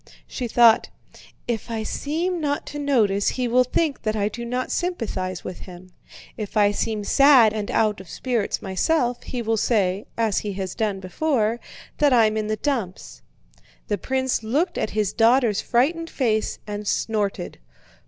She thought: "If I seem not to notice he will think that I do not sympathize with him; if I seem sad and out of spirits myself, he will say (as he has done before) that I'm in the dumps." The prince looked at his daughter's frightened face and snorted.